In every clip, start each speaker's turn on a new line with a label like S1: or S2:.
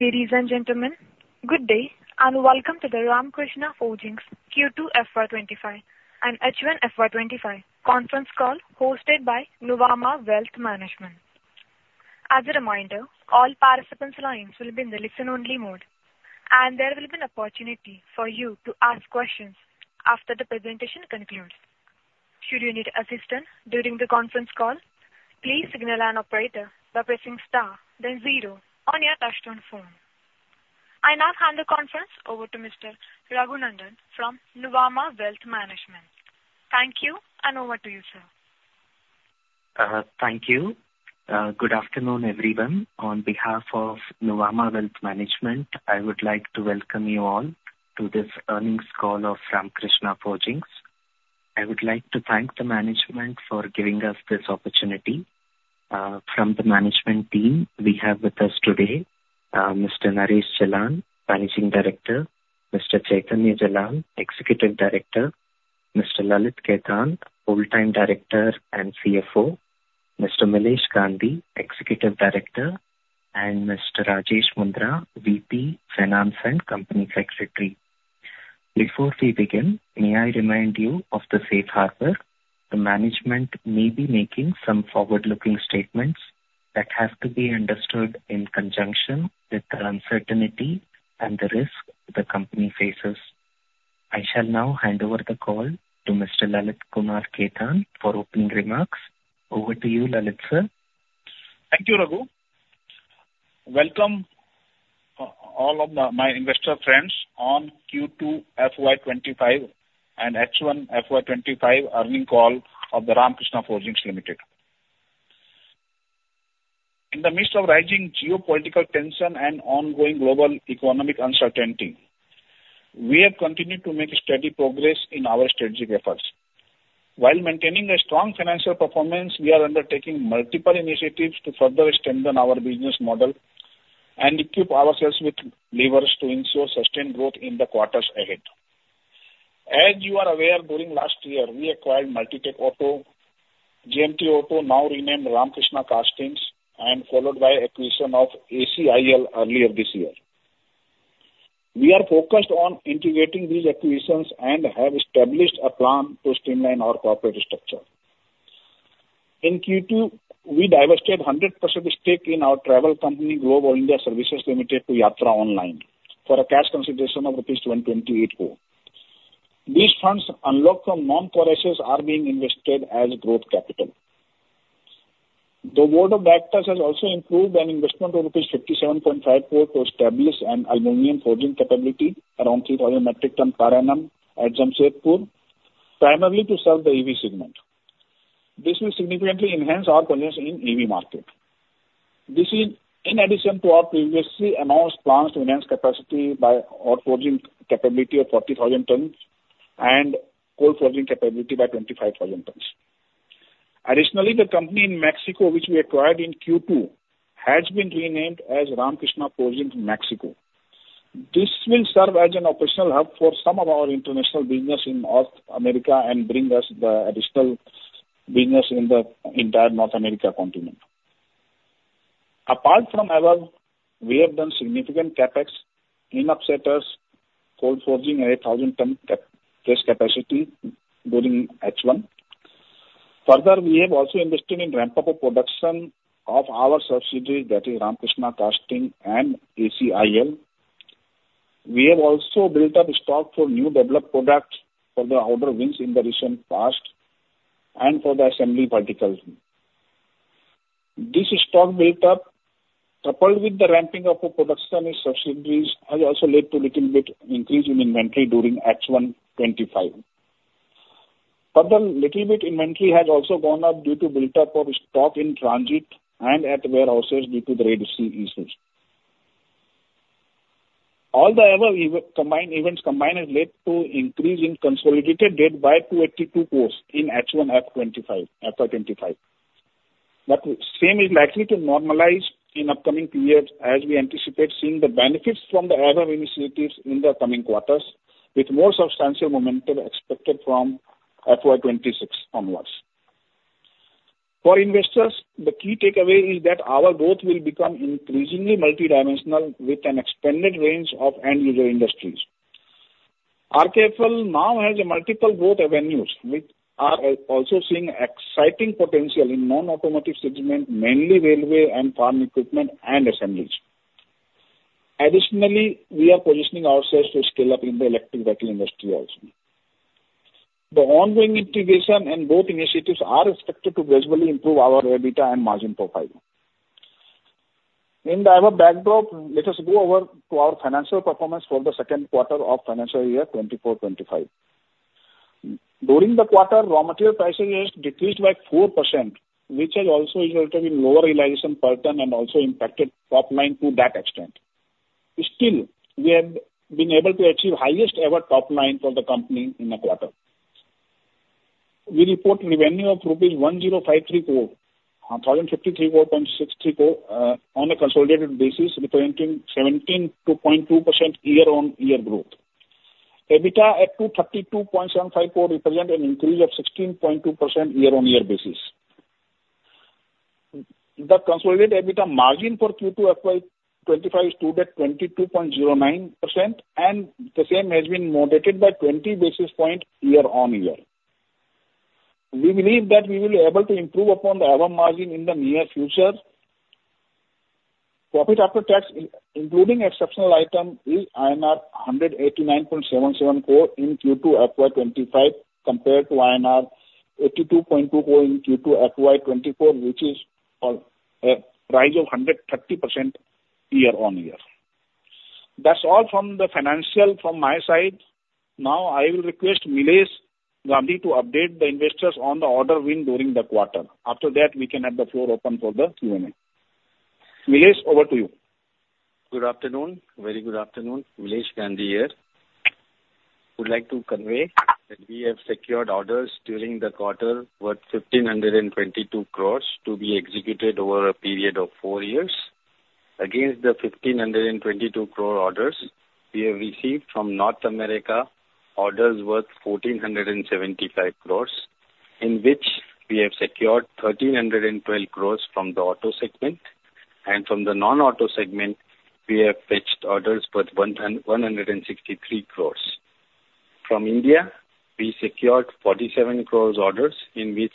S1: Ladies and gentlemen, good day, and welcome to the Ramkrishna Forgings Q2 FY 2025 and H1 FY 2025 conference call, hosted by Nuvama Wealth Management. As a reminder, all participants' lines will be in the listen only mode, and there will be an opportunity for you to ask questions after the presentation concludes. Should you need assistance during the conference call, please signal an operator by pressing star, then zero on your touchtone phone. I now hand the conference over to Mr. Raghunandhan from Nuvama Wealth Management. Thank you, and over to you, sir.
S2: Thank you. Good afternoon, everyone. On behalf of Nuvama Wealth Management, I would like to welcome you all to this earnings call of Ramkrishna Forgings. I would like to thank the management for giving us this opportunity. From the management team we have with us today, Mr. Naresh Jalan, Managing Director, Mr. Chaitanya Jalan, Executive Director, Mr. Lalit Khetan, Whole-Time Director and CFO, Mr. Milesh Gandhi, Executive Director, and Mr. Rajesh Mundhra, VP, Finance and Company Secretary. Before we begin, may I remind you of the safe harbor. The management may be making some forward-looking statements that have to be understood in conjunction with the uncertainty and the risk the company faces. I shall now hand over the call to Mr. Lalit Kumar Khetan for opening remarks. Over to you, Lalit, sir.
S3: Thank you, Raghu. Welcome, all of my investor friends on Q2 FY 2025 and H1 FY 2025 earnings call of the Ramkrishna Forgings Limited. In the midst of rising geopolitical tension and ongoing global economic uncertainty, we have continued to make steady progress in our strategic efforts. While maintaining a strong financial performance, we are undertaking multiple initiatives to further strengthen our business model and equip ourselves with levers to ensure sustained growth in the quarters ahead. As you are aware, during last year, we acquired Multitech Auto, JMT Auto, now renamed Ramkrishna Castings, and followed by acquisition of ACIL earlier this year. We are focused on integrating these acquisitions and have established a plan to streamline our corporate structure. In Q2, we divested 100% stake in our travel company, Globe All India Services Limited, to Yatra Online, for a cash consideration of rupees 128 crore. These funds unlocked from non-purposes are being invested as growth capital. The board of directors has also approved an investment of rupees 57.5 crore to establish an aluminum forging capability around 3,000 metric tons per annum at Jamshedpur, primarily to serve the EV segment. This will significantly enhance our presence in EV market. This is in addition to our previously announced plans to enhance capacity by our forging capability of 40,000 tons and cold forging capability by 25,000 tons. Additionally, the company in Mexico, which we acquired in Q2, has been renamed as Ramkrishna Forgings Mexico. This will serve as an operational hub for some of our international business in North America and bring us the additional business in the entire North America continent. Apart from above, we have done significant CapEx in upsetters, cold forging 8,000-ton capacity press during H1. Further, we have also invested in ramp-up of production of our subsidiary, that is Ramkrishna Castings and ACIL. We have also built up stock for new developed products for the order wins in the recent past and for the assembly verticals. This stock built up, coupled with the ramping up of production in subsidiaries, has also led to little bit increase in inventory during H1 FY 2025. Further, little bit inventory has also gone up due to buildup of stock in transit and at warehouses due to the Red Sea issues. All the above events combined has led to increase in consolidated debt by 282 crores in H1 FY 2025. But same is likely to normalize in upcoming periods, as we anticipate seeing the benefits from the above initiatives in the coming quarters, with more substantial momentum expected from FY 2026 onwards. For investors, the key takeaway is that our growth will become increasingly multidimensional with an expanded range of end user industries. RKFL now has multiple growth avenues, which are also seeing exciting potential in non-automotive segment, mainly railway and farm equipment and assemblies. Additionally, we are positioning ourselves to scale up in the electric vehicle industry also. The ongoing integration and growth initiatives are expected to gradually improve our EBITDA and margin profile. In the above backdrop, let us go over to our financial performance for the second quarter of financial year 2024-2025. During the quarter, raw material prices has decreased by 4%, which has also resulted in lower realization per ton and also impacted top line to that extent. Still, we have been able to achieve highest ever top line for the company in a quarter. We report revenue of rupees 1,053.60 crore on a consolidated basis, representing 17.2% year-on-year growth. EBITDA at 232.75 crore represent an increase of 16.2% year-on-year basis. The consolidated EBITDA margin for Q2 FY 2025 stood at 22.09%, and the same has been moderated by 20 basis points year-on-year. We believe that we will be able to improve upon the EBITDA margin in the near future. Profit after tax, including exceptional item, is INR 189.77 crore in Q2 FY 2025, compared to INR 82.2 crore in Q2 FY 2024, which is a rise of 130% year-on-year. That's all from the financial from my side. Now, I will request Milesh Gandhi to update the investors on the order win during the quarter. After that, we can have the floor open for the Q&A. Milesh, over to you.
S4: Good afternoon, very good afternoon. Milesh Gandhi here. Would like to convey that we have secured orders during the quarter, worth 1,522 crores to be executed over a period of four years. Against the 1,522 crore orders we have received from North America, orders worth 1,475 crores, in which we have secured 1,312 crores from the auto segment, and from the non-auto segment, we have fetched orders worth 163 crores. From India, we secured 47 crores orders, in which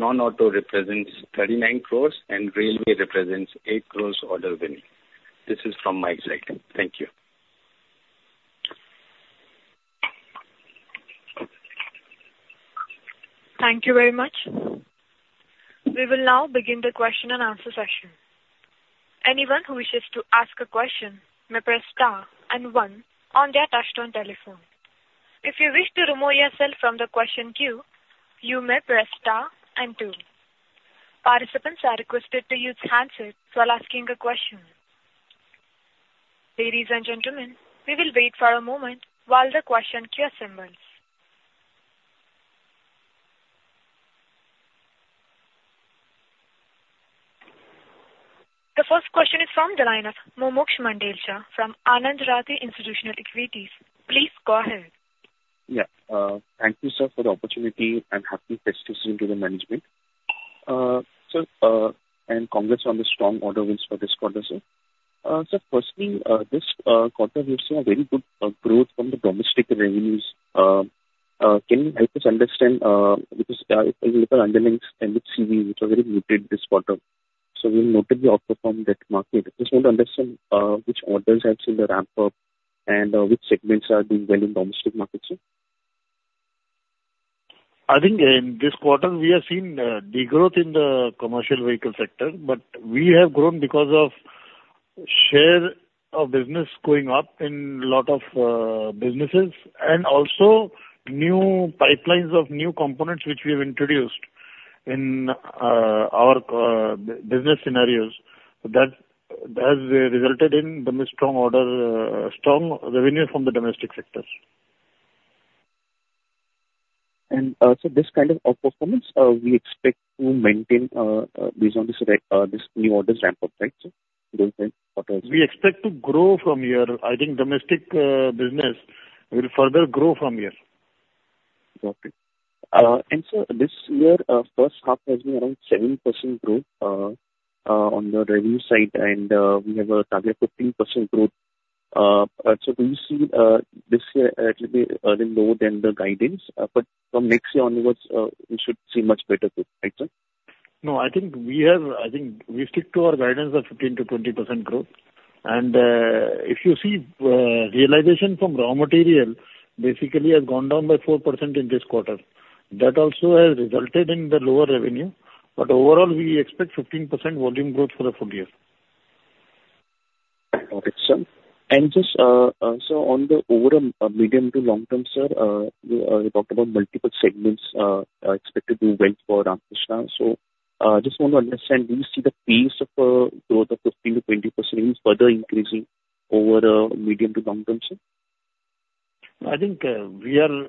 S4: non-auto represents 39 crores and railway represents eight crores order winning. This is from my side. Thank you.
S1: Thank you very much. We will now begin the question-and-answer session. Anyone who wishes to ask a question may press star and one on their touchtone telephone. If you wish to remove yourself from the question queue, you may press star and two. Participants are requested to use handsets while asking a question. Ladies and gentlemen, we will wait for a moment while the question queue assembles. The first question is from the line of Mumuksh Mandlesha from Anand Rathi Institutional Equities. Please go ahead.
S5: Yeah, thank you, sir, for the opportunity, and happy best season to the management. So, and congrats on the strong order wins for this quarter, sir. So firstly, this quarter, we've seen a very good growth from the domestic revenues. Can you help us understand, because if you look at underlyings and with CV, which are very muted this quarter, so we've noted the outperformance that market. Just want to understand, which orders have seen the ramp up, and which segments are doing well in domestic markets, sir?
S3: I think in this quarter we have seen degrowth in the commercial vehicle sector, but we have grown because of share of business going up in lot of businesses, and also new pipelines of new components, which we have introduced in our business scenarios. That has resulted in the strong order strong revenue from the domestic sectors.
S5: So this kind of outperformance, we expect to maintain based on this new orders ramp up, right, sir?
S3: We expect to grow from here. I think domestic business will further grow from here.
S5: Okay. And sir, this year, first half has been around 7% growth on the revenue side, and we have a target 15% growth. So do you see, this year it will be a little lower than the guidance, but from next year onwards, we should see much better growth, right, sir?
S3: No, I think we have, I think we stick to our guidance of 15%-20% growth. And, if you see, realization from raw material, basically has gone down by 4% in this quarter. That also has resulted in the lower revenue, but overall, we expect 15% volume growth for the full year.
S5: Got it, sir. And just, so on the overall medium- to long-term, sir, you talked about multiple segments expected to do well for Ramkrishna. So, just want to understand, do you see the pace of growth of 15%-20% further increasing over medium- to long-term, sir?
S3: I think we are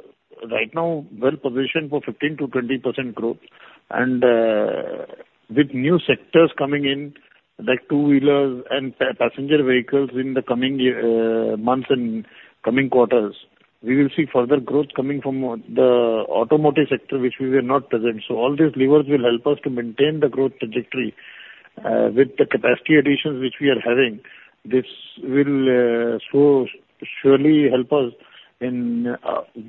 S3: right now well positioned for 15%-20% growth, and with new sectors coming in, like two-wheelers and passenger vehicles in the coming year, months and coming quarters, we will see further growth coming from the automotive sector, which we were not present. So all these levers will help us to maintain the growth trajectory with the capacity additions which we are having. This will so surely help us in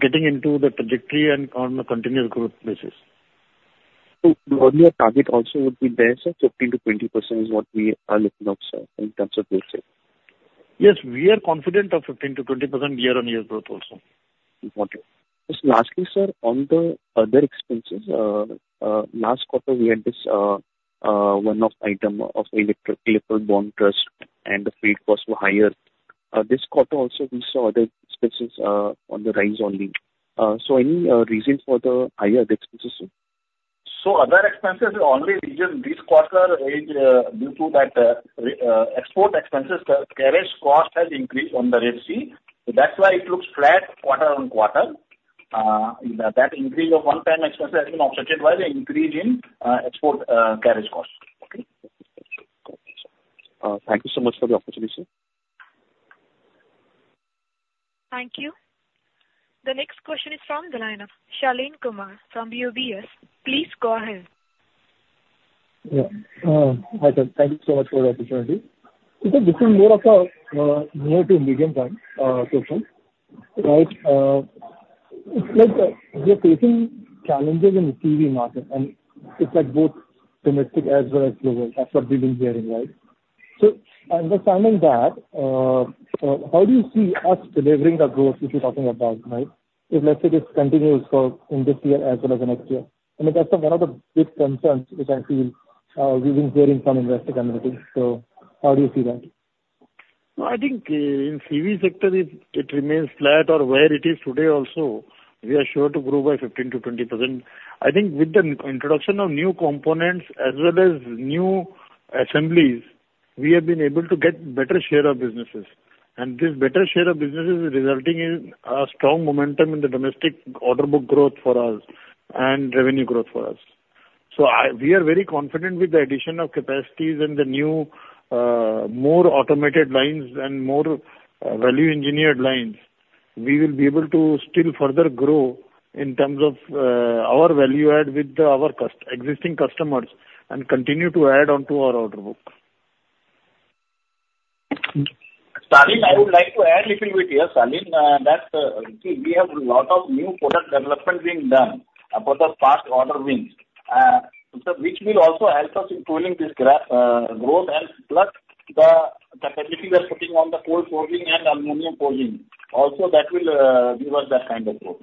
S3: getting into the trajectory and on a continuous growth basis.
S5: The earlier target also would be there, sir. 15%-20% is what we are looking at, sir, in terms of growth rate.
S3: Yes, we are confident of 15%-20% year-on-year growth also.
S5: Got it. Just lastly, sir, on the other expenses, last quarter, we had this one-off item of electoral bond, and the fee costs were higher. This quarter also, we saw other expenses on the rise only, so any reasons for the higher other expenses, sir?
S3: So other expenses, the only reason this quarter is due to that re-export expenses, the carriage cost has increased on the Red Sea. So that's why it looks flat quarter on quarter. That increase of one-time expenses item offset by the increase in export carriage costs. Okay?
S5: Thank you so much for the opportunity, sir.
S1: .Thank you. The next question is from the line of Shaleen Kumar from UBS. Please go ahead.
S6: Yeah. Hi, sir, thank you so much for the opportunity. So this is more of a near to medium term question, right? It's like we are facing challenges in the CV market, and it's like both domestic as well as global. That's what we've been hearing, right? So understanding that, how do you see us delivering the growth which you're talking about, right? If let's say this continues for in this year as well as the next year. And that's one of the big concerns which I feel, we've been hearing from investor community. So how do you see that?
S3: No, I think, in CV sector, it remains flat or where it is today. Also, we are sure to grow by 15%-20%. I think with the introduction of new components as well as new assemblies, we have been able to get better share of businesses. And this better share of business is resulting in a strong momentum in the domestic order book growth for us and revenue growth for us. So we are very confident with the addition of capacities and the new, more automated lines and more value engineered lines. We will be able to still further grow in terms of our value add with our existing customers, and continue to add onto our order book.
S4: Shaleen, I would like to add little bit here, Shaleen, that we have a lot of new product development being done for the past order wins. So which will also help us improving this graph growth, and plus the capacity we are putting on the cold forging and aluminum forging. Also, that will give us that kind of growth.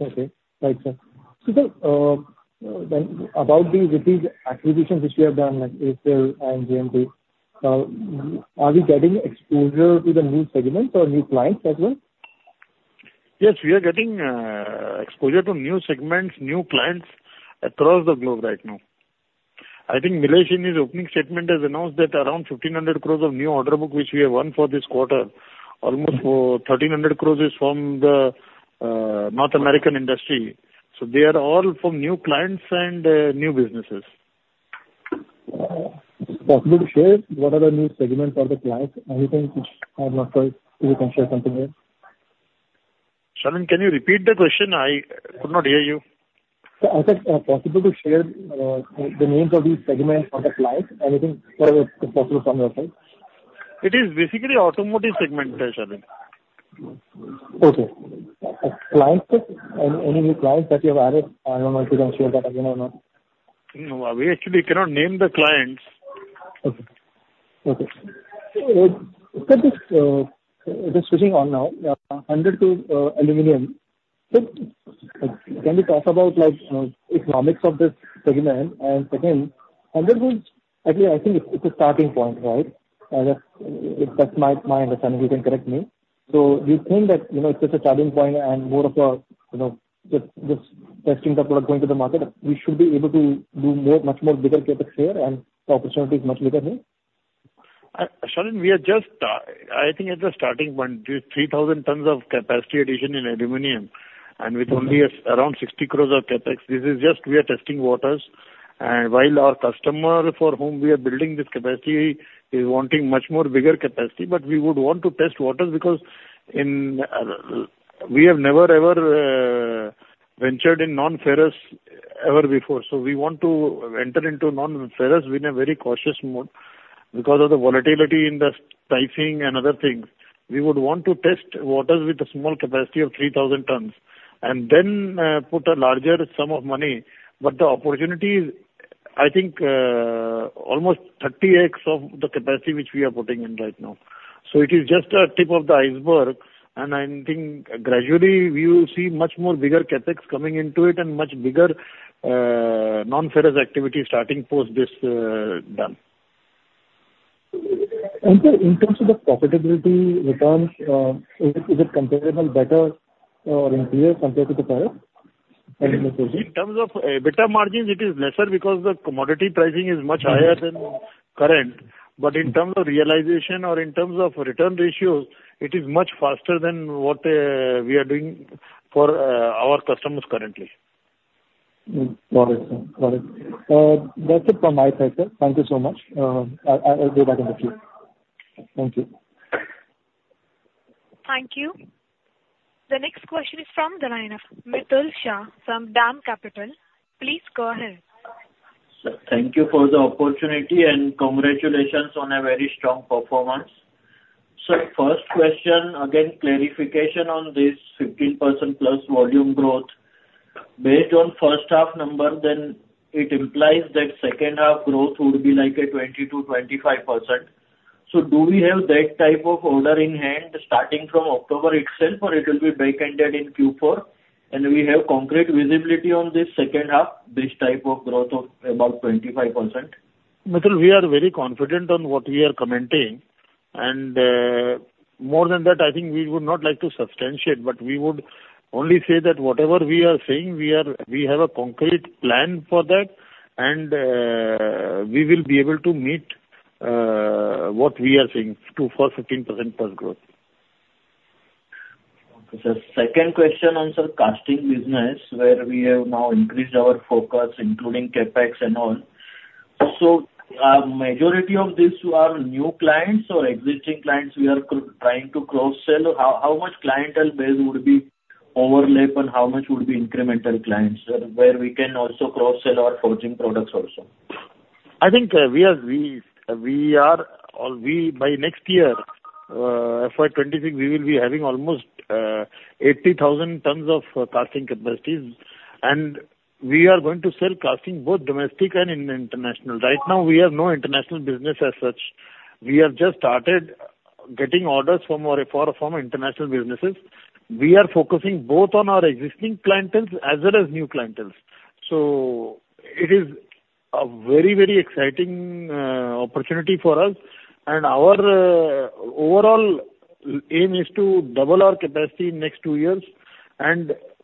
S6: Okay. Right, sir. So then, about these recent acquisitions which you have done, like ACIL and JMT, are we getting exposure to the new segments or new clients as well?
S3: Yes, we are getting exposure to new segments, new clients across the globe right now. I think Milesh, in his opening statement, has announced that around 1,500 crores of new order book, which we have won for this quarter, almost 1,300 crores is from the North American industry. So they are all from new clients and new businesses.
S6: Possible to share what are the new segments or the clients? Anything which, not sure if you can share something here.
S3: Shaleen, can you repeat the question? I could not hear you.
S6: Sir, I said, possible to share, the names of the segments or the clients, anything, if possible from your side?
S3: It is basically automotive segment there, Shaleen.
S6: Okay. Clients, any new clients that you have added? I don't know if you can share that or not.
S3: No, we actually cannot name the clients.
S6: Okay. Okay. So, just switching on now, hundred to aluminum. So can you talk about, like, you know, economics of this segment? And second, hundred is, I think, it's a starting point, right? If that's my understanding, you can correct me. So do you think that, you know, it's just a starting point and more of a, you know, just testing the product, going to the market, we should be able to do more, much more bigger CapEx here, and the opportunity is much bigger, no?
S3: Shaleen, we are just, I think at the starting point, 3,000 tons of capacity addition in aluminum, and with only around 60 crores of CapEx, this is just we are testing waters. And while our customer for whom we are building this capacity is wanting much more bigger capacity, but we would want to test waters because in, we have never, ever, ventured in non-ferrous ever before. So we want to enter into non-ferrous in a very cautious mode because of the volatility in the pricing and other things. We would want to test waters with a small capacity of 3,000 tons and then, put a larger sum of money. But the opportunity is, I think, almost 30X of the capacity which we are putting in right now. So it is just the tip of the iceberg, and I think gradually we will see much more bigger CapEx coming into it and much bigger, non-ferrous activity starting post this, done.
S6: Sir, in terms of the profitability returns, is it comparable, better or unclear compared to the prior?
S3: In terms of EBITDA margins, it is lesser because the commodity pricing is much higher than current. But in terms of realization or in terms of return ratios, it is much faster than what we are doing for our customers currently.
S6: Got it. Got it. That's it from my side, sir. Thank you so much. I will be back in the queue. Thank you.
S1: Thank you. The next question is from the line of Mitul Shah from DAM Capital. Please go ahead.
S7: Sir, thank you for the opportunity, and congratulations on a very strong performance. So first question, again, clarification on this 15%+ volume growth. Based on first half number, then it implies that second half growth would be like a 20%-25%. So do we have that type of order in hand starting from October itself, or it will be backended in Q4, and we have concrete visibility on this second half, this type of growth of about 25%?
S3: Mitul, we are very confident on what we are commenting, and more than that, I think we would not like to substantiate, but we would only say that whatever we are saying, we have a concrete plan for that, and we will be able to meet what we are saying to for 15%+ growth.
S7: Okay, sir. Second question on, sir, casting business, where we have now increased our focus, including CapEx and all. So, majority of this are new clients or existing clients we are trying to cross sell? How much clientele base would be overlap and how much would be incremental clients, where we can also cross sell our forging products also?
S3: I think by next year, FY 2023, we will be having almost 80,000 tons of casting capacities, and we are going to sell casting both domestic and international. Right now, we have no international business as such. We have just started getting orders from international businesses. We are focusing both on our existing clienteles as well as new clienteles. It is a very, very exciting opportunity for us, and our overall aim is to double our capacity in next two years.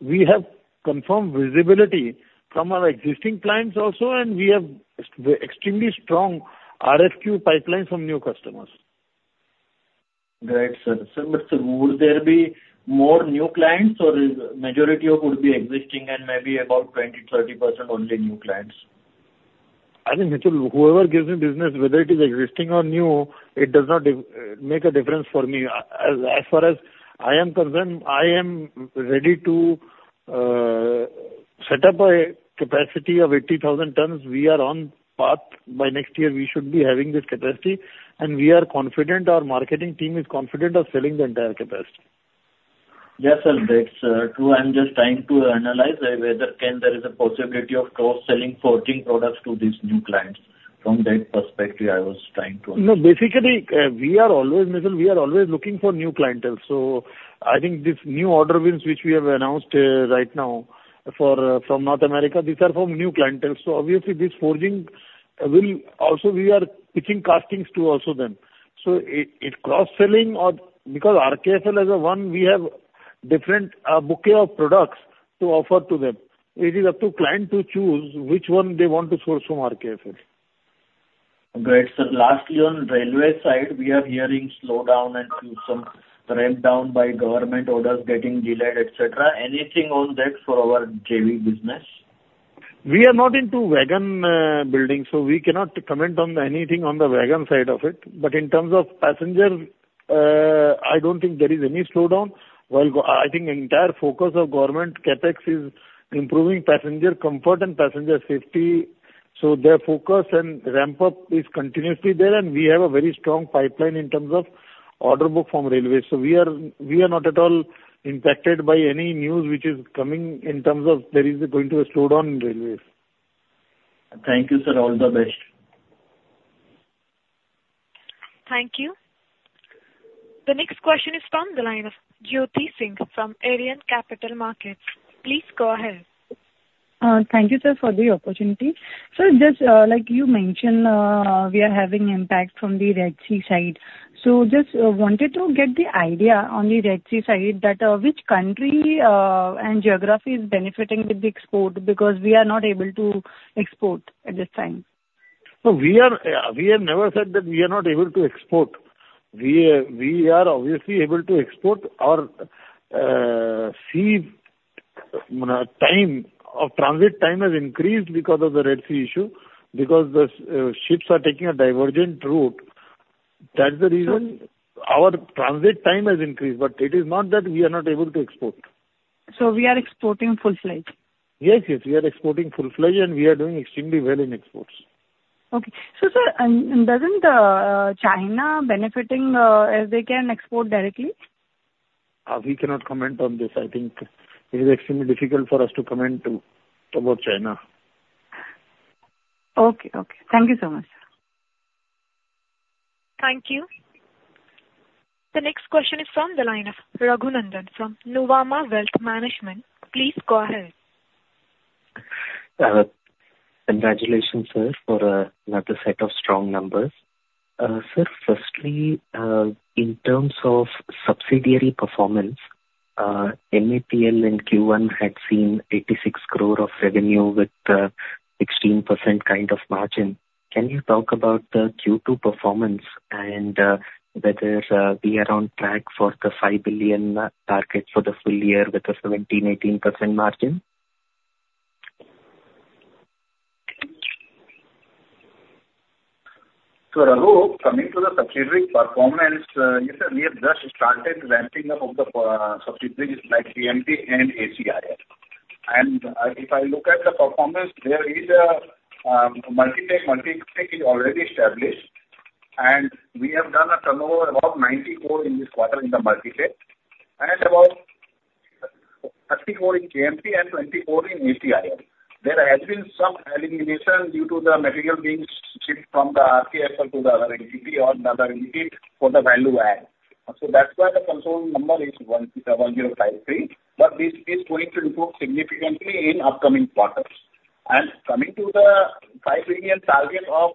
S3: We have confirmed visibility from our existing clients also, and we have extremely strong RFQ pipeline from new customers.
S7: Great, sir. So but would there be more new clients, or is majority of would be existing and maybe about 20%, 30% only new clients?
S3: I think, Mitul, whoever gives me business, whether it is existing or new, it does not make a difference for me. As far as I am concerned, I am ready to set up a capacity of 80,000 tons. We are on path. By next year, we should be having this capacity, and we are confident, our marketing team is confident of selling the entire capacity.
S7: Yes, sir, that's true. I'm just trying to analyze whether can there is a possibility of cross-selling forging products to these new clients. From that perspective, I was trying to.
S3: No, basically, we are always, Mitul, we are always looking for new clientele, so I think this new order wins, which we have announced, right now for, from North America, these are from new clientele. So obviously this forging will. Also, we are pitching castings to also them. So it cross-selling or because RKFL as a one, we have different, bouquet of products to offer to them. It is up to client to choose which one they want to source from RKFL.
S7: Great, sir. Lastly, on railway side, we are hearing slowdown and some ramp down by government orders getting delayed, et cetera. Anything on that for our JV business?
S3: We are not into wagon building, so we cannot comment on anything on the wagon side of it. But in terms of passenger, I don't think there is any slowdown. While I think entire focus of government CapEx is improving passenger comfort and passenger safety, so their focus and ramp up is continuously there, and we have a very strong pipeline in terms of order book from railways. So we are not at all impacted by any news which is coming in terms of there is going to a slowdown in railways.
S7: Thank you, sir. All the best.
S1: Thank you. The next question is from the line of Jyoti Singh from Arihant Capital Markets. Please go ahead.
S8: Thank you, sir, for the opportunity. Sir, just, like you mentioned, we are having impact from the Red Sea side. So just, wanted to get the idea on the Red Sea side, that, which country, and geography is benefiting with the export, because we are not able to export at this time?
S3: No, we are, we have never said that we are not able to export. We, we are obviously able to export. Our sea time or transit time has increased because of the Red Sea issue, because the ships are taking a divergent route. That's the reason. Our transit time has increased, but it is not that we are not able to export.
S8: So we are exporting full-fledged?
S3: Yes, yes, we are exporting full-fledged, and we are doing extremely well in exports.
S8: Okay. So, sir, and doesn't China benefiting as they can export directly?
S3: We cannot comment on this. I think it is extremely difficult for us to comment about China.
S8: Okay, okay. Thank you so much, sir.
S1: Thank you. The next question is from the line of Raghunandhan from Nuvama Wealth Management. Please go ahead.
S2: Congratulations, sir, for another set of strong numbers. Sir, firstly, in terms of subsidiary performance, MAPL in Q1 had seen 86 crore of revenue with 16% kind of margin. Can you talk about the Q2 performance and whether we are on track for the 5 billion target for the full year with a 17%, 18% margin?
S3: Raghu, coming to the subsidiary performance, yes, sir. We have just started ramping up of the subsidiaries like JMT and ACIL. If I look at the performance, there is Multitech. Multitech is already established, and we have done a turnover about 90 crore in this quarter in the Multitech, and about 30 crore in JMT and 20 crore in ACIL. There has been some elimination due to the material being shipped from the RKFL to the other entity or the other entity for the value add. So that's why the consolidated number is 1,053 crore, but this is going to improve significantly in upcoming quarters. Coming to the 5 billion target of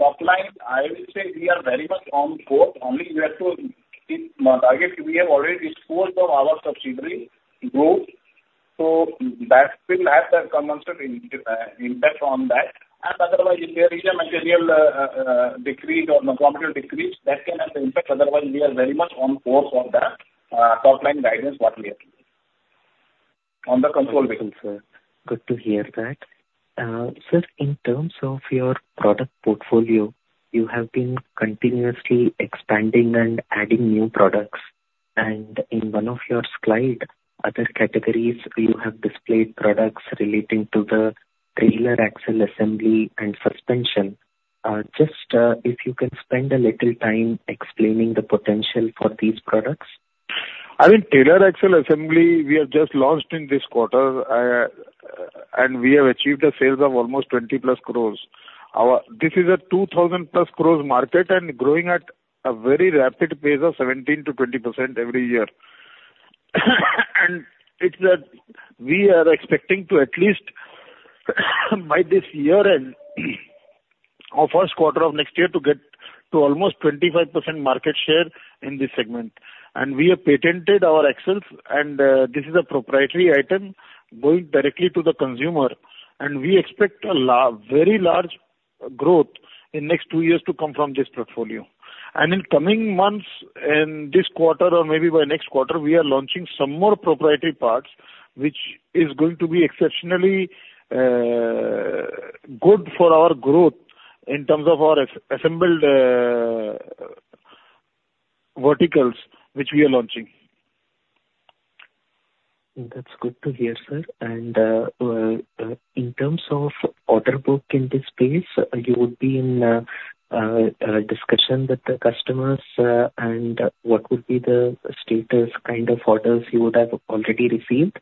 S3: top line, I will say we are very much on course, only we have to keep target. We have already disposed of our subsidiary Global. So that will have the commensurate impact on that, and otherwise, if there is a material decrease or no quantity decrease, that can have an impact. Otherwise, we are very much on course on the top line guidance what we have, on the control basis.
S2: Good to hear that. Sir, in terms of your product portfolio, you have been continuously expanding and adding new products, and in one of your slide, other categories, you have displayed products relating to the trailer axle assembly and suspension. Just, if you can spend a little time explaining the potential for these products.
S3: I mean, trailer axle assembly, we have just launched in this quarter, and we have achieved a sales of almost 20+ crores. This is a 2000+ crores market and growing at a very rapid pace of 17%-20% every year. And it's that we are expecting to at least, by this year end or first quarter of next year, to get to almost 25% market share in this segment. And we have patented our axles, and this is a proprietary item going directly to the consumer, and we expect very large growth in next two years to come from this portfolio. In coming months, in this quarter or maybe by next quarter, we are launching some more proprietary parts, which is going to be exceptionally good for our growth in terms of our assembled verticals, which we are launching.
S2: That's good to hear, sir. And in terms of order book in this space, you would be in a discussion with the customers, and what would be the status kind of orders you would have already received?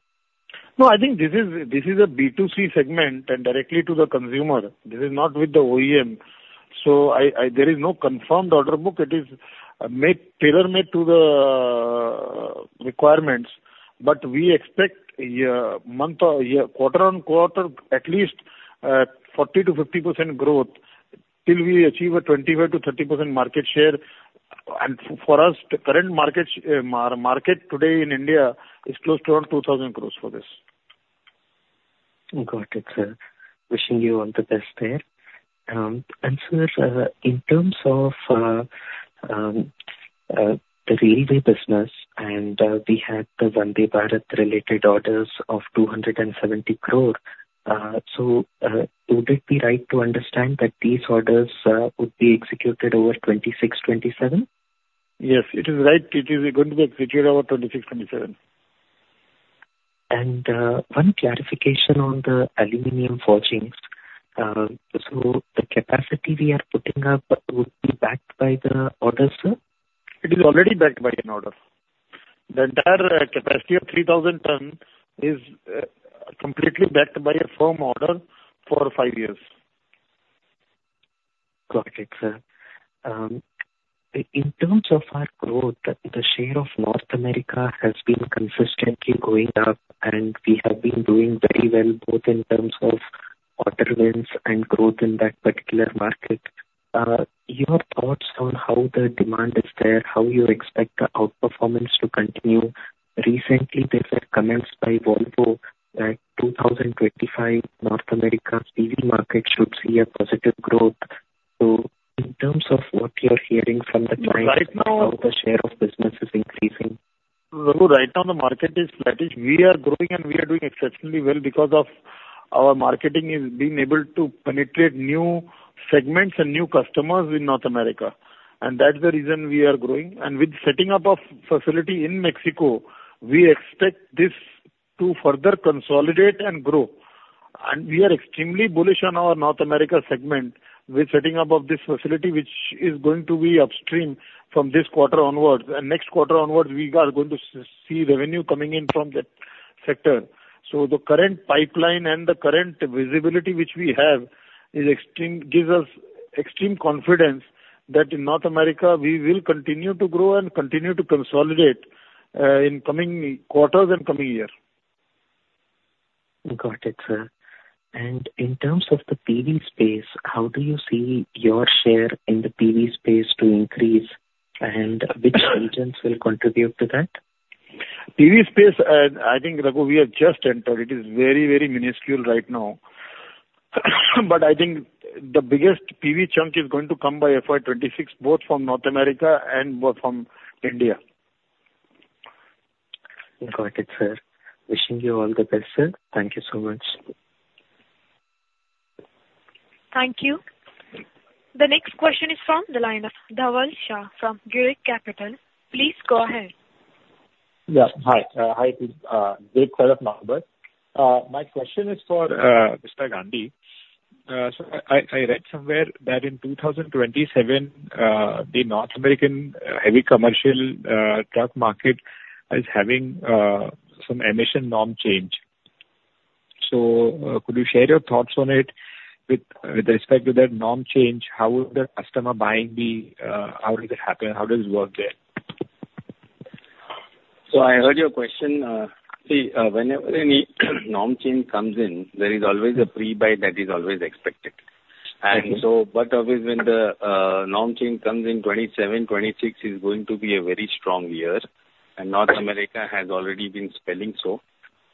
S3: No, I think this is a B2C segment and directly to the consumer. This is not with the OEM, so I there is no confirmed order book. It is made tailor-made to the requirements. But we expect, yeah, month or year, quarter on quarter, at least 40%-50% growth till we achieve a 25%-30% market share. And for us, the current market today in India is close to around 2,000 crores for this.
S2: Got it, sir. Wishing you all the best there. And sir, in terms of the railway business, and we had the Vande Bharat related orders of two hundred and seventy crore, so would it be right to understand that these orders would be executed over 2026, 2027?
S3: Yes, it is right. It is going to be executed over 2026, 2027.
S2: One clarification on the aluminum forgings. The capacity we are putting up would be backed by the orders, sir?
S3: It is already backed by an order. The entire capacity of 3,000 ton is completely backed by a firm order for five years.
S2: Got it, sir. In terms of our growth, the share of North America has been consistently going up, and we have been doing very well, both in terms of order wins and growth in that particular market. Your thoughts on how the demand is there, how you expect the outperformance to continue? Recently, there was a comment by Volvo that two thousand and twenty-five, North America's PV market should see a positive growth. So in terms of what you are hearing from the clients how the share of business is increasing.
S3: Raghu, right now the market is, that is, we are growing and we are doing exceptionally well because of our marketing is being able to penetrate new segments and new customers in North America, and that's the reason we are growing. With setting up of facility in Mexico, we expect this to further consolidate and grow. We are extremely bullish on our North America segment with setting up of this facility, which is going to be up and running from this quarter onwards. Next quarter onwards, we are going to see revenue coming in from that sector. The current pipeline and the current visibility which we have is extreme, gives us extreme confidence that in North America, we will continue to grow and continue to consolidate in coming quarters and coming years.
S2: Got it, sir. And in terms of the PV space, how do you see your share in the PV space to increase, and which segments will contribute to that?
S3: PV space, I think, Raghu, we have just entered. It is very, very minuscule right now. But I think the biggest PV chunk is going to come by FY 2026, both from North America and both from India.
S2: Got it, sir. Wishing you all the best, sir. Thank you so much.
S1: Thank you. The next question is from the line of Dhaval Shah from Girik Capital. Please go ahead.
S9: Yeah, hi. Hi, Girik Capital. My question is for Mr. Gandhi. So I read somewhere that in 2027, the North American heavy commercial truck market is having some emission norm change. So could you share your thoughts on it? With respect to that norm change, how would the customer buying be, how does it happen? How does it work there?
S4: I heard your question. See, whenever any norm change comes in, there is always a pre-buy that is always expected. But obviously, when the norm change comes in 2027, 2026 is going to be a very strong year, and North America has already been spelling so.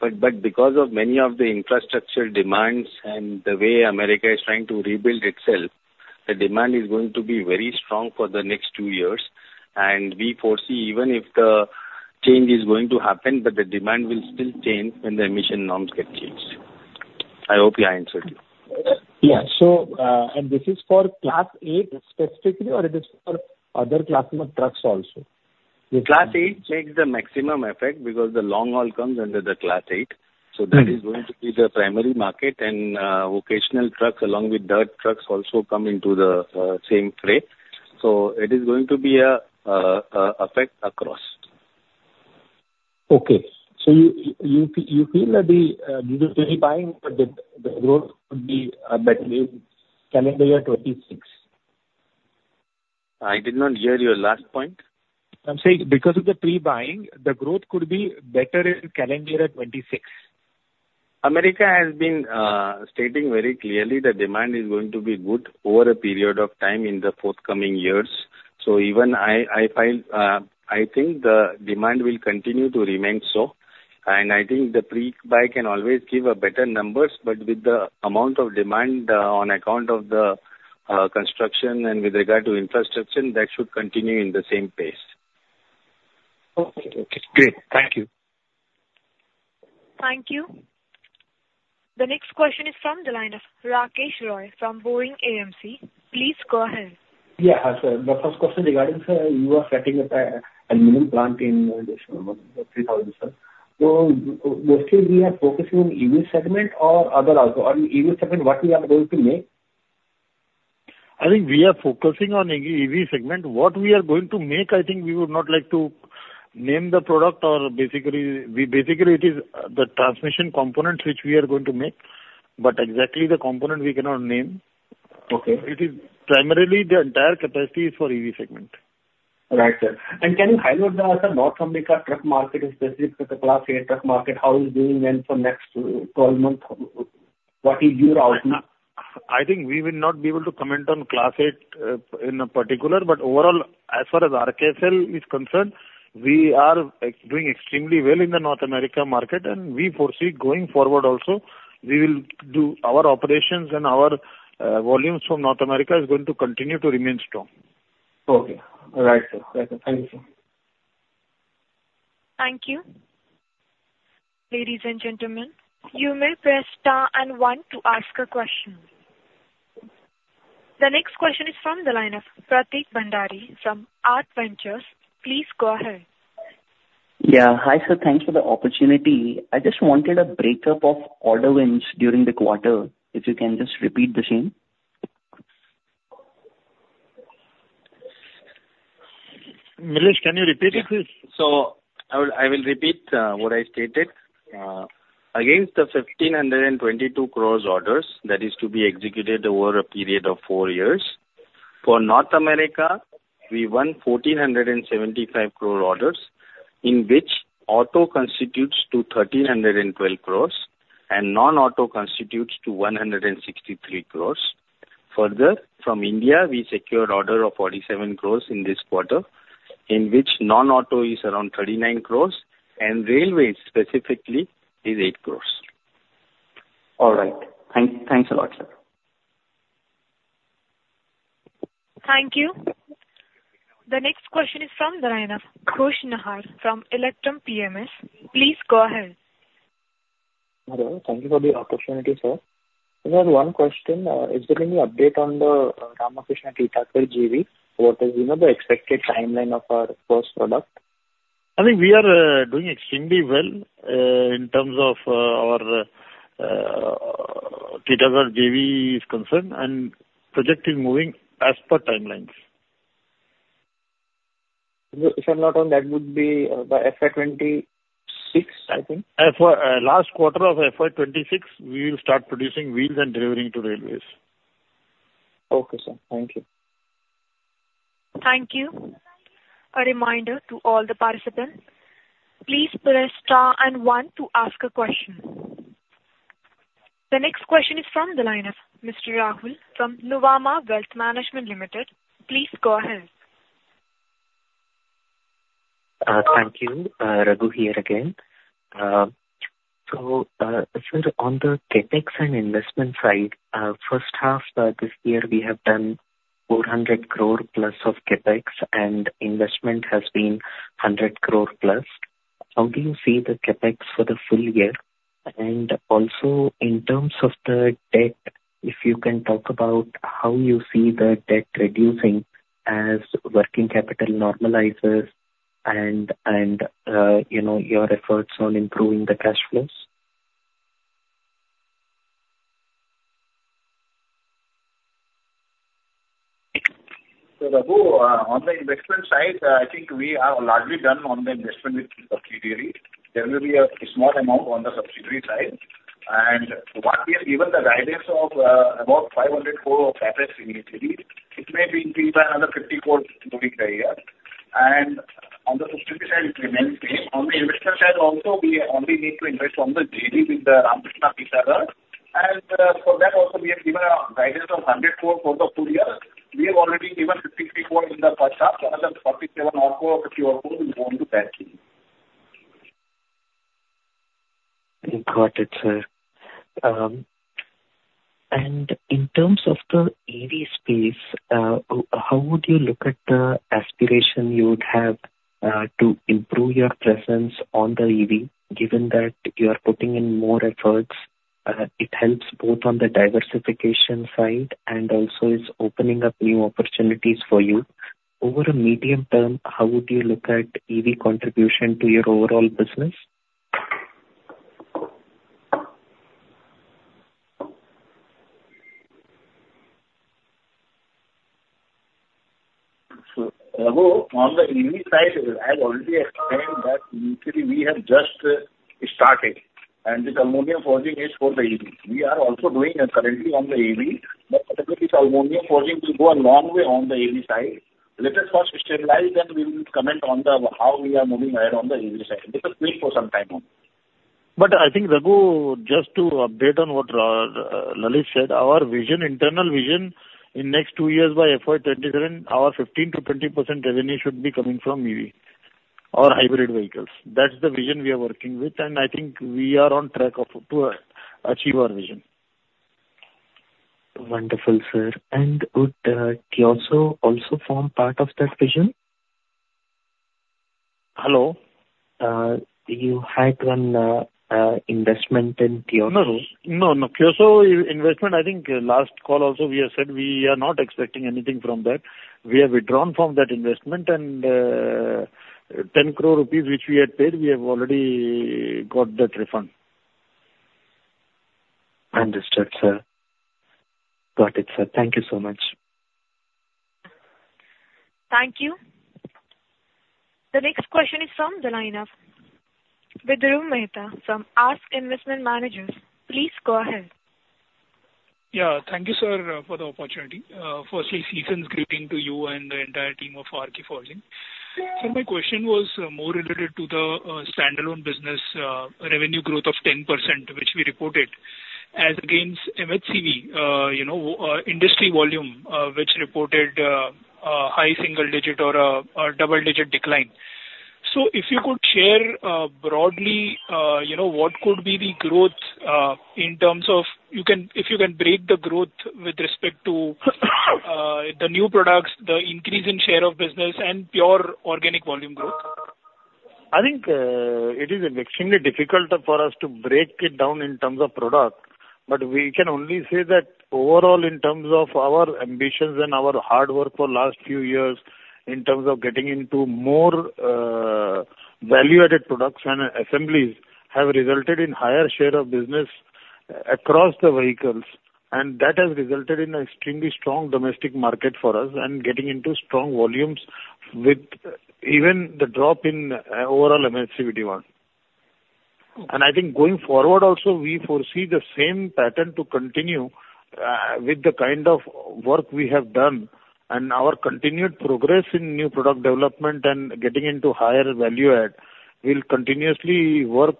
S4: But because of many of the infrastructure demands and the way America is trying to rebuild itself, the demand is going to be very strong for the next two years, and we foresee even if the change is going to happen, but the demand will still change when the emission norms get changed. I hope I answered you. Yeah. So, and this is for Class 8 specifically, or it is for other classes of trucks also? The Class 8 makes the maximum effect because the long haul comes under the Class 8. So that is going to be the primary market, and vocational trucks along with dirt trucks also come into the same frame. So it is going to be a effect across.
S9: Okay. So you feel that due to pre-buying, but the growth could be better in calendar year 2026?
S4: I did not hear your last point.
S9: I'm saying because of the pre-buying, the growth could be better in calendar year 2026.
S4: America has been stating very clearly that demand is going to be good over a period of time in the forthcoming years, so even I, I find, I think the demand will continue to remain so, and I think the pre-buy can always give better numbers, but with the amount of demand on account of the construction and with regard to infrastructure, that should continue in the same pace.
S9: Okay. Okay, great. Thank you.
S1: Thank you. The next question is from the line of Rakesh Roy from Boring AMC. Please go ahead.
S10: Yeah. Hi, sir, the first question regarding, sir, you are setting up an aluminum plant in December 2023, sir. So mostly we are focusing on EV segment or other also? On EV segment, what we are going to make?
S3: I think we are focusing on EV segment. What we are going to make, I think we would not like to name the product or basically it is the transmission components which we are going to make, but exactly the component we cannot name.
S10: Okay.
S3: It is primarily the entire capacity is for EV segment.
S10: Right, sir. And can you highlight the North America truck market, specifically the Class 8 truck market, how is doing well for next, twelve month? What is your outlook?
S3: I think we will not be able to comment on Class 8 in particular, but overall, as far as RKFL is concerned, we are doing extremely well in the North America market, and we foresee going forward also, we will do our operations and our volumes from North America is going to continue to remain strong.
S10: Okay. Right, sir. Right, sir. Thank you, sir.
S1: Thank you. Ladies and gentlemen, you may press star and one to ask a question. The next question is from the line of Pratik Bhandari, from Artha Ventures. Please go ahead.
S11: Yeah. Hi, sir. Thanks for the opportunity. I just wanted a breakup of order wins during the quarter, if you can just repeat the same.
S3: Milesh, can you repeat it, please?
S4: I will, I will repeat what I stated. Against the 1,522-crore orders that is to be executed over a period of four years for North America, we won 1,475-crore orders, in which auto constitutes to 1,312 crore, and non-auto constitutes to 163 crore. Further, from India, we secured order of 47 crore in this quarter, in which non-auto is around 39 crore, and railways specifically is 8 crore.
S11: All right. Thanks a lot, sir.
S1: Thank you. The next question is from the line of Khush Nahar, from Electrum PMS. Please go ahead.
S12: Hello. Thank you for the opportunity, sir. Sir, one question, is there any update on the Ramkrishna Titagarh JV? What is, you know, the expected timeline of our first product?
S3: I think we are doing extremely well in terms of our Titagarh JV is concerned, and project is moving as per timelines.
S12: If I'm not wrong, that would be by FY 2026, I think.
S3: For last quarter of FY 2026, we will start producing wheels and delivering to railways.
S12: Okay, sir. Thank you.
S1: Thank you. A reminder to all the participants, please press star and one to ask a question. The next question is from the line of Mr. Raghu from Nuvama Wealth Management Limited. Please go ahead.
S2: Thank you. Raghu here again. So, sir, on the CapEx and investment side, first half this year, we have done 400 crore+ of CapEx, and investment has been 100 crore+. How do you see the CapEx for the full year? And also, in terms of the debt, if you can talk about how you see the debt reducing as working capital normalizes and you know, your efforts on improving the cash flows.
S3: So, Raghu, on the investment side, I think we are largely done on the investment with subsidiary. There will be a small amount on the subsidiary side, and what we have given the guidance of about 500 crore of CapEx in Italy. It may be increased by another 50 crore during the year. And on the sustainability side, it remains same. On the investor side also, we only need to invest on the daily with the Ramkrishna Forgings, and, for that also we have given a guidance of 104 for the full year. We have already given 53.4 in the first half, another 37.4 or 40.4 will move to that team.
S2: Got it, sir. And in terms of the EV space, how would you look at the aspiration you would have to improve your presence on the EV, given that you are putting in more efforts. It helps both on the diversification side and also is opening up new opportunities for you. Over the medium term, how would you look at EV contribution to your overall business?
S3: So, Raghu, on the EV side, I've already explained that actually we have just started, and the aluminum forging is for the EV. We are also doing currently on the EV, but specifically, the aluminum forging will go a long way on the EV side. Let us first stabilize, then we will comment on the how we are moving ahead on the EV side. Just wait for some time now.
S4: But I think, Raghu, just to update on what, Lalit said, our vision, internal vision, in next two years by FY 2027, our 15%-20% revenue should be coming from EV or hybrid vehicles. That's the vision we are working with, and I think we are on track to achieve our vision.
S2: Wonderful, sir. And would Tsuyo also form part of that vision?
S4: Hello?
S2: You had one investment in Tsuyo.
S4: No, no. Tsuyo investment, I think last call also, we have said we are not expecting anything from that. We have withdrawn from that investment, and 10 crore rupees, which we had paid, we have already got that refund.
S2: Understood, sir. Got it, sir. Thank you so much.
S1: Thank you. The next question is from the line of Vidrum Mehta from ASK Investment Managers. Please go ahead.
S13: Yeah, thank you, sir, for the opportunity. Firstly, season's greeting to you and the entire team of Ramkrishna Forgings. So my question was more related to the standalone business revenue growth of 10%, which we reported, as against MHCV, you know, industry volume, which reported a high single digit or a double digit decline. So if you could share broadly, you know, what could be the growth in terms of if you can break the growth with respect to the new products, the increase in share of business and pure organic volume growth.
S3: I think, it is extremely difficult for us to break it down in terms of product, but we can only say that overall, in terms of our ambitions and our hard work for last few years, in terms of getting into more, value-added products and assemblies, have resulted in higher share of business across the vehicles, and that has resulted in extremely strong domestic market for us and getting into strong volumes with even the drop in, overall MHCV demand, and I think going forward also, we foresee the same pattern to continue, with the kind of work we have done and our continued progress in new product development and getting into higher value add. We'll continuously work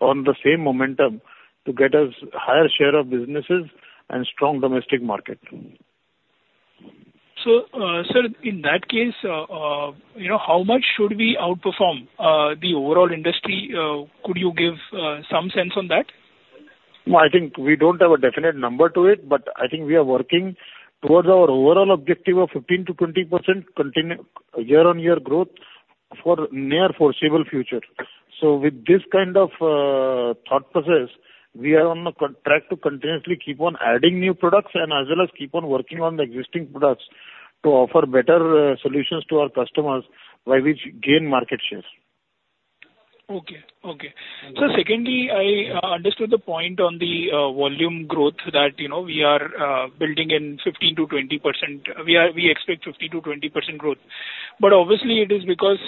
S3: on the same momentum to get us higher share of businesses and strong domestic market.
S13: Sir, in that case, you know, how much should we outperform the overall industry? Could you give some sense on that?
S3: No, I think we don't have a definite number to it, but I think we are working towards our overall objective of 15%-20% continuous year-on-year growth for near foreseeable future. So with this kind of thought process, we are on track to continuously keep on adding new products and as well as keep on working on the existing products to offer better solutions to our customers, by which gain market shares.
S13: Okay, okay. So secondly, I understood the point on the volume growth that, you know, we are building in 15%-20%. We are, we expect 15%-20% growth. But obviously it is because,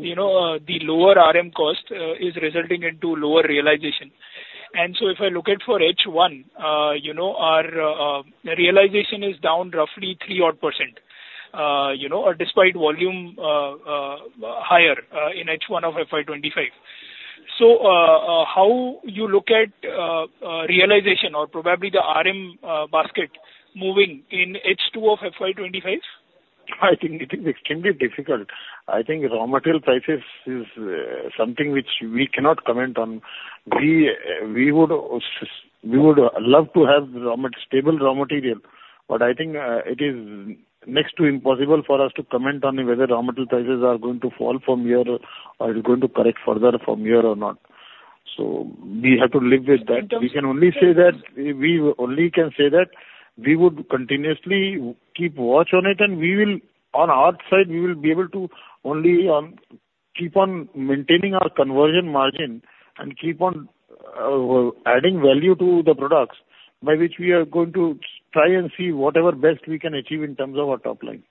S13: you know, the lower RM cost is resulting into lower realization. And so if I look at for H1, you know, our realization is down roughly 3 odd %, you know, despite volume higher in H1 of FY 2025. So, how you look at realization or probably the RM basket moving in H2 of FY 2025?
S3: I think it is extremely difficult. I think raw material prices is something which we cannot comment on. We would love to have stable raw material, but I think it is next to impossible for us to comment on whether raw material prices are going to fall from here or are going to correct further from here or not. So we have to live with that. We can only say that we would continuously keep watch on it, and we will, on our side, we will be able to only keep on maintaining our conversion margin and keep on adding value to the products, by which we are going to try and see whatever best we can achieve in terms of our top line.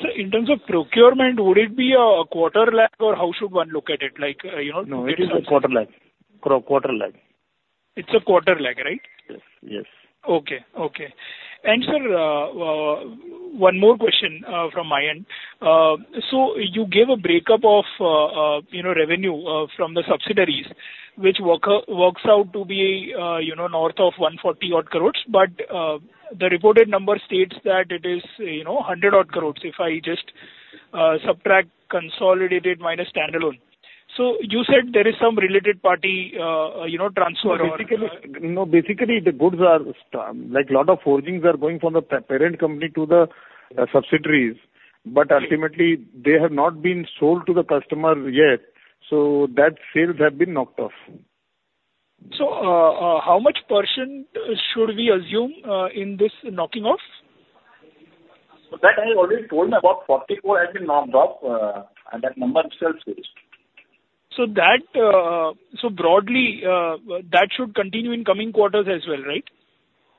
S13: Sir, in terms of procurement, would it be a quarter lag, or how should one look at it? Like, you know-
S3: No, it is a quarter lag. Quarter lag.
S13: It's a quarter lag, right?
S3: Yes, yes.
S13: Okay, okay. And sir, one more question from my end. So you gave a breakup of, you know, revenue from the subsidiaries, which works out to be, you know, north of 140 odd crores. But the reported number states that it is, you know, 100 odd crores, if I just subtract consolidated minus standalone. So you said there is some related party, you know, transfer or?
S3: Basically, no, basically, the goods are like, lot of forgings are going from the parent company to the subsidiaries, but ultimately, they have not been sold to the customer yet, so that sales have been knocked off.
S13: How much % should we assume in this knocking off?
S3: So that I already told about 44 has been knocked off, and that number itself is.
S13: So, broadly, that should continue in coming quarters as well, right?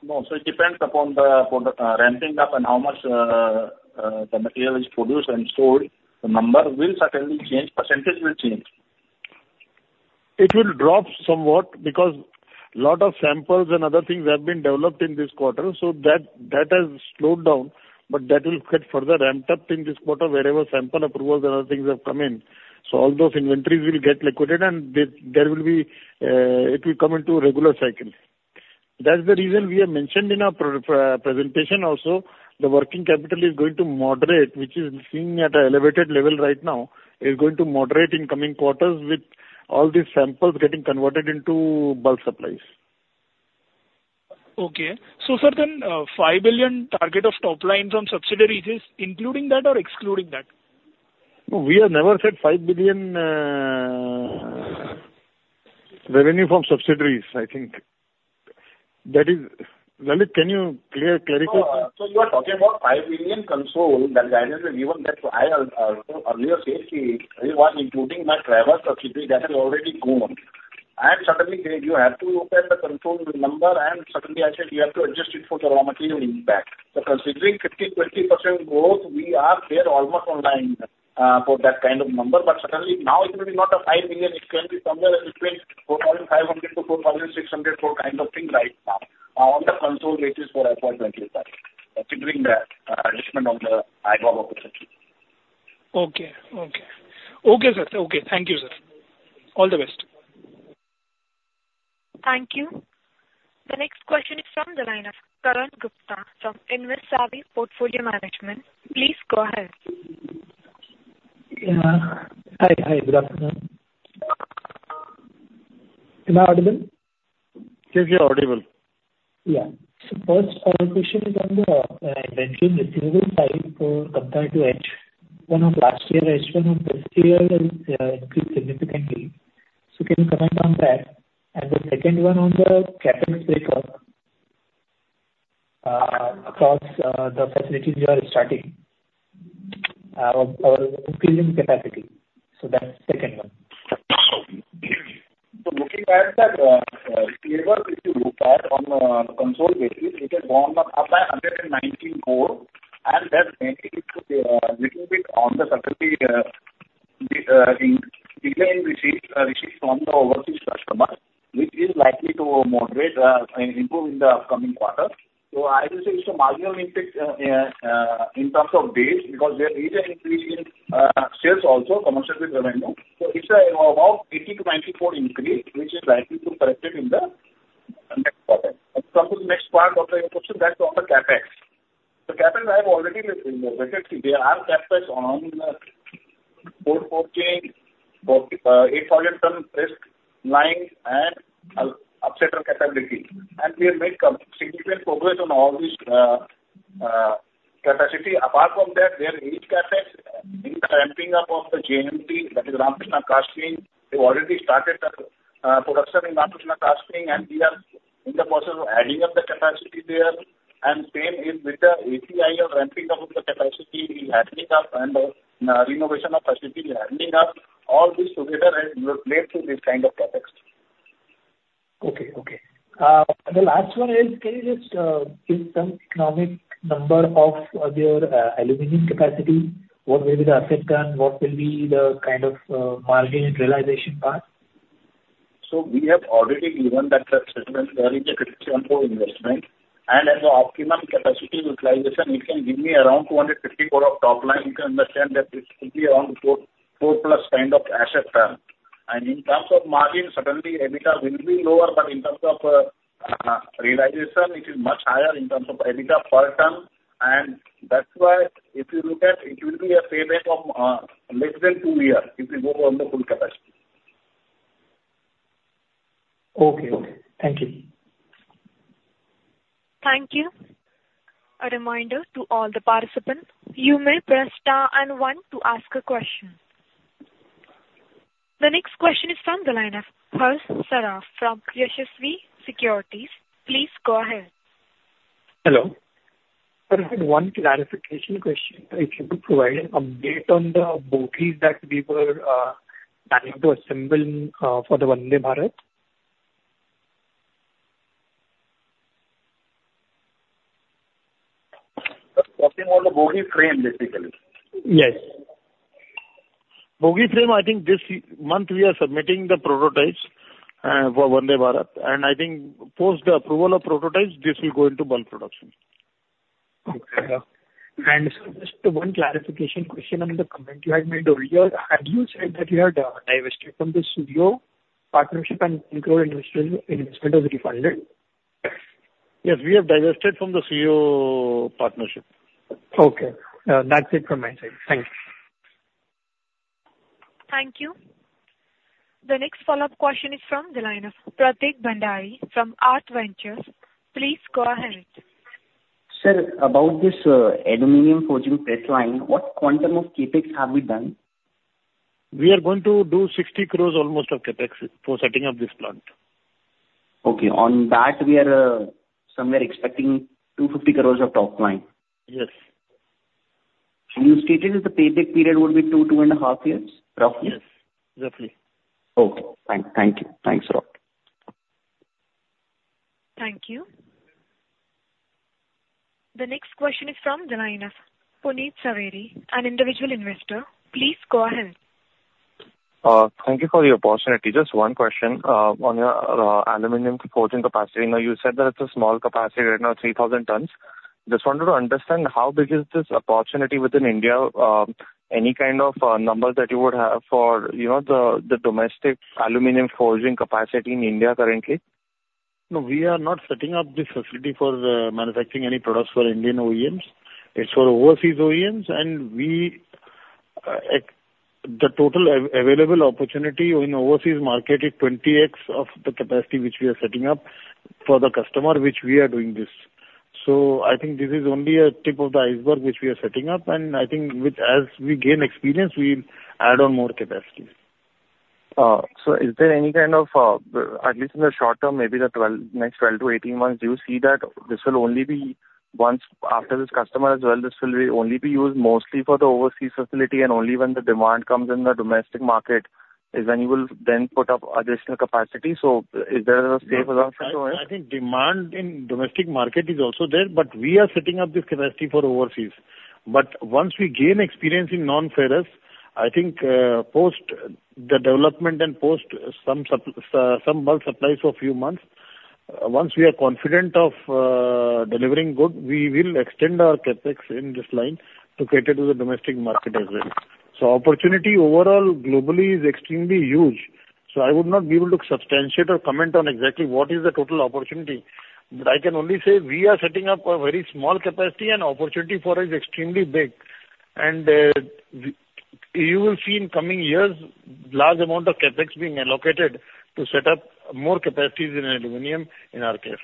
S3: No. So it depends upon the, for the, ramping up and how much, the material is produced and sold. The number will certainly change, percentage will change. It will drop somewhat because a lot of samples and other things have been developed in this quarter, so that has slowed down, but that will get further ramped up in this quarter, wherever sample approvals and other things have come in. So all those inventories will get liquidated, and it will come into regular cycle. That's the reason we have mentioned in our pre, presentation also, the working capital is going to moderate, which is seen at an elevated level right now. It's going to moderate in coming quarters with all these samples getting converted into bulk supplies.
S13: Okay. So, sir, then, five billion target of top line from subsidiaries is including that or excluding that?
S4: We have never said 5 billion revenue from subsidiaries, I think. That is, Lalit, can you clarify?
S3: So you are talking about 5 billion consol, that guidance is given, that I earlier said it was including my travel subsidiary that has already gone. And suddenly you have to look at the consol number, and suddenly I said you have to adjust it for the raw material impact. So considering 50%, 20% growth, we are there almost on time for that kind of number. But suddenly now it may be not a 5 billion, it can be somewhere between 4,500-4,600 or kind of thing right now, on the consol basis for the point with that, considering the adjustment on the EBITDA of the subsidiary.
S13: Okay. Okay. Okay, sir. Okay. Thank you, sir. All the best.
S1: Thank you. The next question is from the line of Karan Gupta from InvestSavvy Portfolio Management. Please go ahead.
S14: Yeah. Hi. Hi, good afternoon. Am I audible?
S3: Yes, you're audible.
S14: Yeah. So first, my question is on the revenue receivable side compared to H1 of last year, H1 of this year is increased significantly. So can you comment on that? And the second one on the capital breakup across the facilities you are starting or increasing capacity. So that's the second one.
S3: Looking at the receivable, if you look at on the consolidated basis, it has gone up by 119 crore, and that's mainly due to a little bit of delay in the receipts received from the overseas customers, which is likely to moderate and improve in the upcoming quarter. I will say it's a marginal impact in terms of days, because there is an increase in sales also, consolidated revenue. It's about 80-94 increase, which is likely to correct itself in the next quarter. Coming to the next part of the question, that's on the CapEx. The CapEx I have already mentioned, there are CapEx on the 4,000 ton and 8,000 ton press line and upsetter capability, and we have made significant progress on all these capacities. Apart from that, there is CapEx in the ramping up of the GMP, that is Ramkrishna Castings. We've already started the production in Ramkrishna Castings, and we are in the process of adding up the capacity there. Same is with the ACIL of ramping up of the capacity in handling of renovation of capacity in handling of all this together is related to this kind of CapEx.
S14: Okay, okay. The last one is, can you just give some economic number of your aluminum capacity? What will be the asset turnover? What will be the kind of margin realization part?
S3: So we have already given that the segment, there is a INR 514 crore investment, and as an optimum capacity utilization, it can give me around 250 crore of top line. You can understand that this could be around 4.4+ kind of asset ton. And in terms of margin, certainly, EBITDA will be lower, but in terms of realization, it is much higher in terms of EBITDA per ton. And that's why if you look at, it will be a payback of less than two years if we go on the full capacity.
S14: Okay. Thank you.
S1: Thank you. A reminder to all the participants, you may press star and one to ask a question. The next question is from the line of Harsh Saraff from Yashwi Securities. Please go ahead.
S15: Hello. Sir, I have one clarification question. If you could provide an update on the bogies that we were planning to assemble for the Vande Bharat?
S3: Working on the bogie frame, basically?
S15: Yes.
S3: Bogie frame, I think this month we are submitting the prototypes, for Vande Bharat, and I think post the approval of prototypes, this will go into bulk production.
S15: Okay. And so just one clarification question on the comment you had made earlier. Had you said that you had divested from the Tsuyo partnership and escrow investment, investment was refunded?
S3: Yes, we have divested from the Tsuyo partnership.
S15: Okay. That's it from my side. Thank you.
S1: Thank you. The next follow-up question is from the line of Pratik Bhandari from Artha Ventures. Please go ahead.
S11: Sir, about this, aluminum forging press line, what quantum of CapEx have we done?
S3: We are going to do almost 600 million of CapEx for setting up this plant.
S11: Okay, on that, we are somewhere expecting 250 crores of top line?
S3: Yes.
S11: You stated that the payback period would be two, two and a half years, roughly?
S3: Yes. Roughly.
S11: Okay. Thank you. Thanks a lot.
S1: Thank you. The next question is from the line of Punit Jhaveri, an individual investor. Please go ahead.
S16: Thank you for the opportunity. Just one question on your aluminum forging capacity. Now, you said that it's a small capacity right now, 3,000 tons. Just wanted to understand how big is this opportunity within India? Any kind of numbers that you would have for, you know, the domestic aluminum forging capacity in India currently?
S3: No, we are not setting up this facility for manufacturing any products for Indian OEMs. It's for overseas OEMs, and the total available opportunity in overseas market is 20X of the capacity which we are setting up for the customer, which we are doing this. So I think this is only a tip of the iceberg which we are setting up, and I think with as we gain experience, we'll add on more capacity.
S16: So is there any kind of, at least in the short term, maybe the next 12-18 months, do you see that this will only be once after this customer as well, this will only be used mostly for the overseas facility, and only when the demand comes in the domestic market, is when you will then put up additional capacity? So is there a safe assumption there?
S3: I think demand in domestic market is also there, but we are setting up this capacity for overseas. Once we gain experience in non-ferrous, I think, post the development and post some bulk supply for a few months, once we are confident of delivering goods, we will extend our CapEx in this line to cater to the domestic market as well. Opportunity overall, globally is extremely huge. I would not be able to substantiate or comment on exactly what is the total opportunity, but I can only say we are setting up a very small capacity and opportunity for it is extremely big. You will see in coming years, large amount of CapEx being allocated to set up more capacities in aluminum in our case.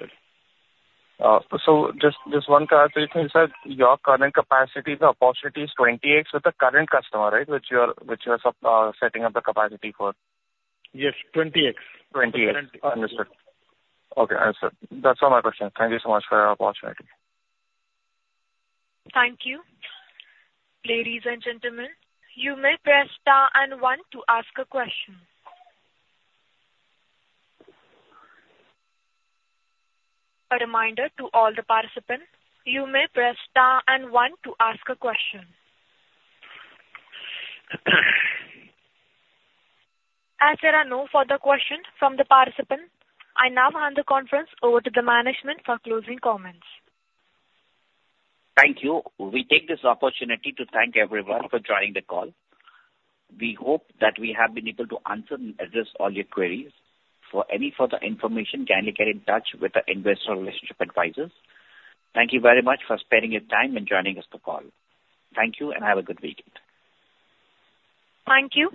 S16: Just one clarification, sir. Your current capacity, the opportunity is 20X with the current customer, right, which you are setting up the capacity for?
S3: Yes, 20 X.
S16: Twenty X.
S3: Twenty.
S16: Understood. Okay, understood. That's all my questions. Thank you so much for your opportunity.
S1: Thank you. Ladies and gentlemen, you may press star and one to ask a question. A reminder to all the participants, you may press star and one to ask a question. As there are no further questions from the participants, I now hand the conference over to the management for closing comments.
S2: Thank you. We take this opportunity to thank everyone for joining the call. We hope that we have been able to answer and address all your queries. For any further information, kindly get in touch with the investor relationship advisors. Thank you very much for sparing your time and joining us the call. Thank you, and have a good weekend.
S1: Thank you.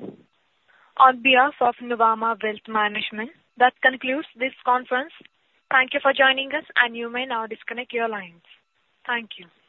S1: On behalf of Nuvama Wealth Management, that concludes this conference. Thank you for joining us, and you may now disconnect your lines. Thank you.